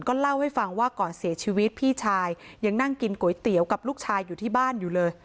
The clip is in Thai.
เล่าให้ฟังว่าก่อนเสียชีวิตพี่ชายยังนั่งกินก๋วยเตี๋ยวกับลูกชายอยู่ที่บ้านอยู่เลย